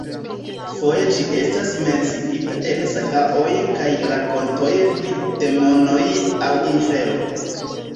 Foje ĝi estas menciita en sagaoj kaj rakontoj pri demonoj aŭ infero.